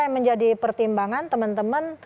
yang menjadi pertimbangan teman teman